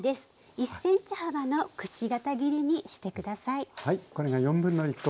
１ｃｍ幅のくし形切りにして下さい。